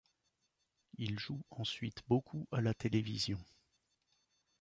Il joue ensuite beaucoup à la télévision.